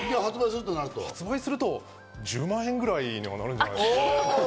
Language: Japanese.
発売すると１０万円ぐらいにはなるんじゃないでしょうか。